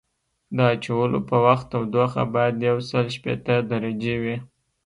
د اچولو په وخت تودوخه باید یوسل شپیته درجې وي